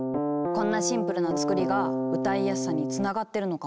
こんなシンプルな作りが歌いやすさにつながってるのかも！